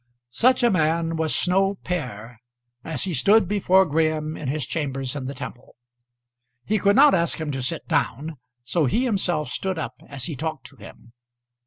Such a man was Snow père as he stood before Graham in his chambers in the Temple. He could not ask him to sit down, so he himself stood up as he talked to him.